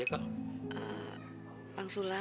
enggak ada urusan apa apa biasa biasa aja ya